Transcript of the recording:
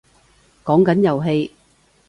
講緊遊戲